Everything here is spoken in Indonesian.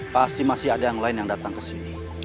pasti masih ada yang lain yang datang ke sini